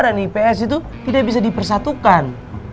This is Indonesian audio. ips itu tidak bisa dipersatukan